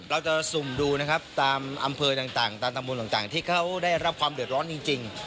เราจะซุ่มดูนะครับตามอำเภอต่างที่เขาได้รับความเดือดร้อนจริง